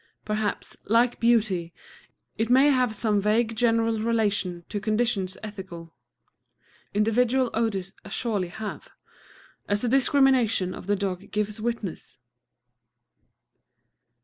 Perhaps, like beauty, it may have some vague general relation to conditions ethical. Individual odors assuredly have, as the discrimination of the dog gives witness.